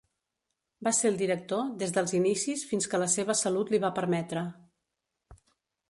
Va ser el director des dels inicis fins que la seva salut li va permetre.